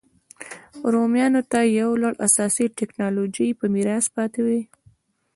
رومیانو ته یو لړ اساسي ټکنالوژۍ په میراث پاتې وې